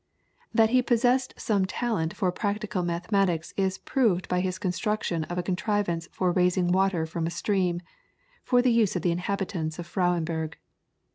That he possessed some talent for practical mechanics is proved by his construction of a contrivance for raising water from a stream, for the use of the inhabitants of Frauenburg.